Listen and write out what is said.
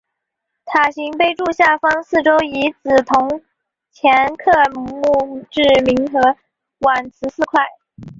塔形碑柱下方四周以紫铜嵌刻墓志铭和挽词四块。